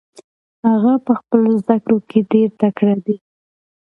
هغه په خپلو زده کړو کې ډېر تکړه دی.